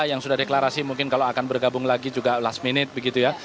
yang sudah deklarasi mungkin kalau akan bergabung lagi juga last minute begitu ya